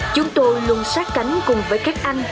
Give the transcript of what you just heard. chúng tôi luôn sát cánh cùng với các anh